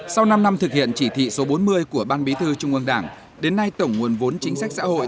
sau năm năm thực hiện chỉ thị số bốn mươi của ban bí thư trung ương đảng đến nay tổng nguồn vốn chính sách xã hội